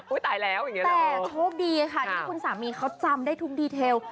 ตายแล้วแต่โชคดีค่ะที่คุณสามีเขาจำได้ทุกดีเทล